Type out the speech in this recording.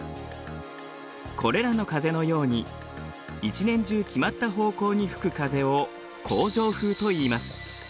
これらの風のように一年中決まった方向に吹く風を恒常風といいます。